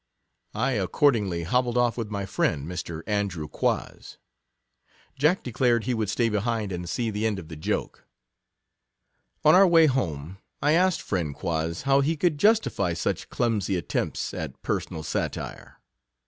I accordingly hobbled oft' with my friend, Mr. Andrew Quoz. Jack de clared he would stay behind and see the end 51 of the joke. On our way home, I asked friend Quoz, how he could justify such clum sy attempts at personal satire.